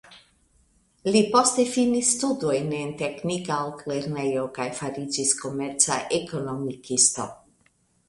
Li poste finis studojn en teknika altlernejo kaj fariĝis komerca ekonomikisto.